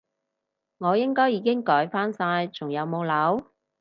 我應該已經改返晒，仲有冇漏？